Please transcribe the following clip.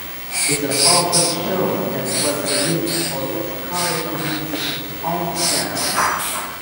These are often shows that were produced for other Discovery Communications-owned channels.